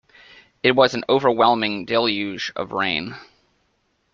It was an overwhelming deluge of rain.